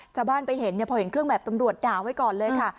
ชาวบ้านไปเห็นพอเห็นเครื่องแบบตำรวจด่าไว้ก่อนเลยค่ะ